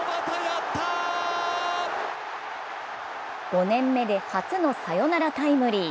５年目で初のサヨナラタイムリー。